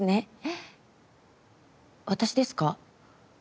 私ですか？